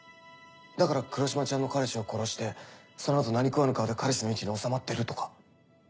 だから黒島ちゃんの彼氏を殺してその後何食わぬ顔で彼氏の位置に納まってるとか。